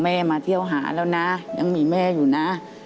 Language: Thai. มาเที่ยวหาแล้วนะยังมีแม่อยู่นะ